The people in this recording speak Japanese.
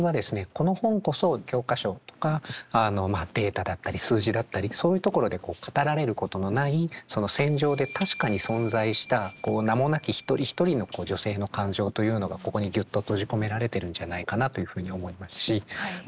この本こそ教科書とかあのまあデータだったり数字だったりそういうところで語られることのない戦場で確かに存在した名もなき一人一人の女性の感情というのがここにギュッと閉じ込められてるんじゃないかなというふうに思いますしま